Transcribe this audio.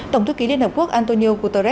tổng thư ký liên hợp quốc antonio guterres